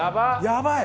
やばい！